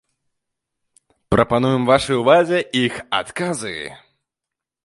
Прапануем вашай увазе іх адказы.